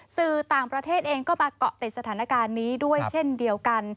สื่อต่างประเทศเองก็มาเกาะติดสถานการณ์นี้ด้วยเช่นเดียวกัน